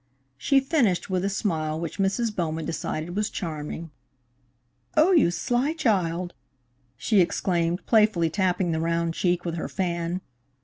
She finished with a smile which Mrs. Bowman decided was charming. "Oh, you sly child!" she exclaimed, playfully tapping the round cheek with her fan.